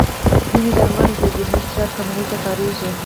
ځینې درمل د ذهني فشار کمولو ته کارېږي.